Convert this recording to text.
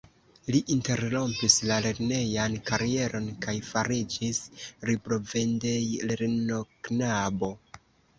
Li interrompis la lernejan karieron kaj fariĝis librovendejlernoknabo.